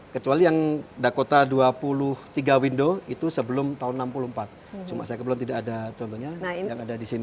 kecuali yang dakota dua puluh tiga window itu sebelum tahun enam puluh empat cuma saya kebetulan tidak ada contohnya yang ada di sini